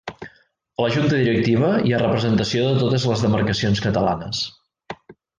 A la Junta Directiva hi ha representació de totes les demarcacions catalanes.